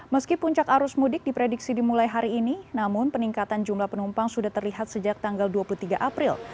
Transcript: meski puncak arus mudik diprediksi dimulai hari ini namun peningkatan jumlah penumpang sudah terlihat sejak tanggal dua puluh tiga april